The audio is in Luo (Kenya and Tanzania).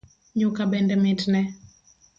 Nyuka bende mitne